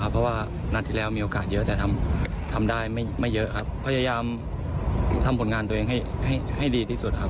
พยายามทำผลงานตัวเองให้ดีที่สุดครับ